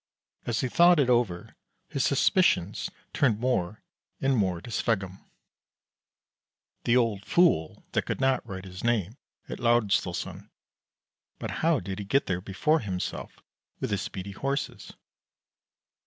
As he thought it over, his suspicions turned more and more to Sveggum, the old fool that could not write his name at Laersdalsoren. But how did he get there before himself with his speedy Horses?